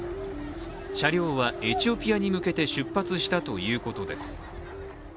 車両はエチオピアに向けて出発したということです。